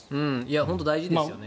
本当に大事ですよね。